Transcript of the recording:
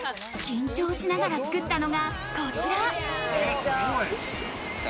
緊張しながら作ったのがこちら。